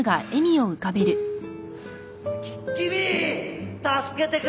きっ君助けてくれ！